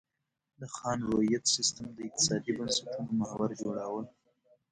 د خان رعیت سیستم د اقتصادي بنسټونو محور جوړاوه.